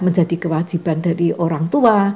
menjadi kewajiban dari orang tua